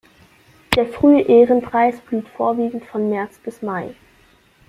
Der Frühe Ehrenpreis blüht vorwiegend von März bis Mai.